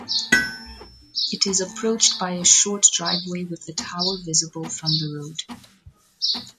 It is approached by a short driveway with the tower visible from the road.